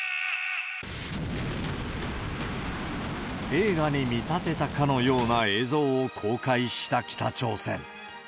映画に見立てたかのような映像を公開した北朝鮮。